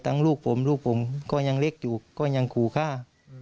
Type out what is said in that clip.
ลูกผมลูกผมก็ยังเล็กอยู่ก็ยังขู่ฆ่า